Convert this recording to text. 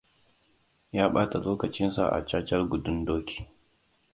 Ya ɓata lokacinsa a cacar gudun doki.